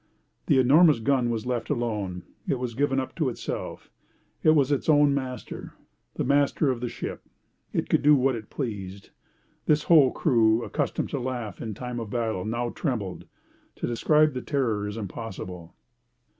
The enormous gun was left alone. It was given up to itself. It was its own master, and master of the ship. It could do what it pleased. This whole crew, accustomed to laugh in time of battle, now trembled. To describe the terror is impossible.